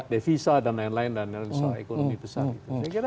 devisa dan lain lain dan soal ekonomi besar